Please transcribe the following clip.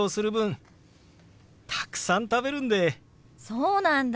そうなんだ！